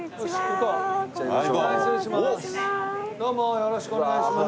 よろしくお願いします。